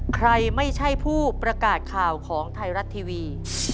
ใครไม่ใช่ผู้ประกาศข่าวของไทยรัฐทีวี